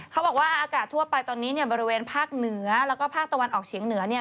เขาบอกว่าอากาศทั่วไปตอนนี้เนี่ยบริเวณภาคเหนือแล้วก็ภาคตะวันออกเฉียงเหนือเนี่ย